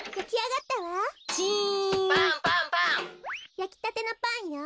やきたてのパンよ。